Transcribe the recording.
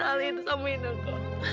selalu ngelakuin hal itu sama inoko